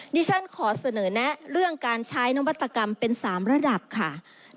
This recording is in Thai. ดิฉันขอเสนอแนะเรื่องการใช้นวัตกรรมเป็น๓ระดับค่ะ